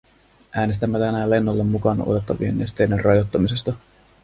Äänestämme tänään lennolle mukaan otettavien nesteiden rajoittamisesta.